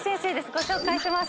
ご紹介します。